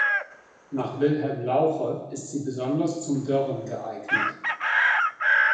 Nach Wilhelm Lauche ist sie besonders zum Dörren geeignet.